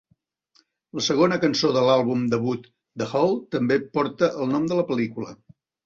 La segona cançó de l'àlbum debut de Hole també porta el nom de la pel·lícula.